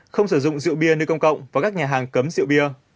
không sử dụng rượu bia nơi công cộng và các nhà hàng cấm rượu bia